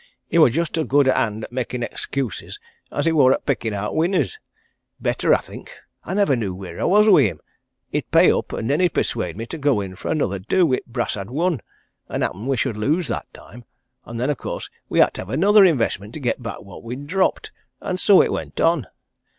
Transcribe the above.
He wor just as good a hand at makin' excuses as he wor at pickin' out winners better, I think! I nivver knew wheer I was wi' him he'd pay up, and then he'd persuade me to go in for another do wi' t' brass I'd won, and happen we should lose that time, and then of course we had to hev another investment to get back what we'd dropped, and so it went on.